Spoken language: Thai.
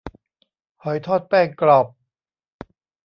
หอยทอดแป้งกรอบ